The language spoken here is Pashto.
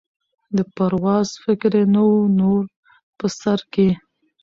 د پرواز فکر یې نه وو نور په سر کي